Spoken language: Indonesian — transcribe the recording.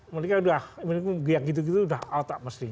mereka udah yang gitu gitu udah out out mestinya